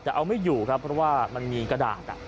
แต่เอาไม่อยู่ครับเพราะว่ามันมีกระดาษ